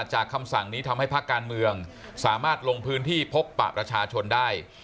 คำสั่งนี้ทำให้ภาคการเมืองสามารถลงพื้นที่พบปะประชาชนได้